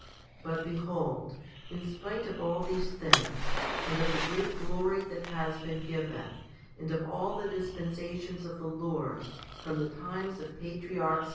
But behold, in spite of all these things, and of the great glory that has been given, and of all the dispensations of the Lord from the times of patriarchs 1 Jer.